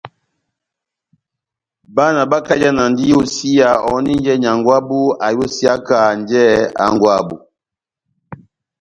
Bána bakajanandi iyosiya ohòninjɛ nyángwɛ wabu ayosiyakanjɛ hángwɛ wabu.